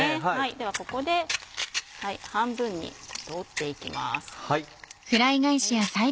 ではここで半分に折っていきます。